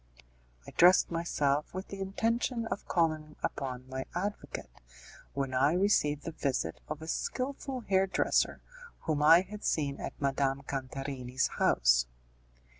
I dressed myself with the intention of calling upon my advocate, when I received the visit of a skilful hair dresser whom I had seen at Madame Cantarini's house.